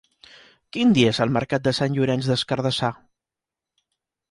Quin dia és el mercat de Sant Llorenç des Cardassar?